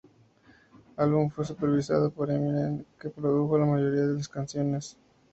El álbum fue supervisado por Eminem, que produjo la mayoría de las canciones.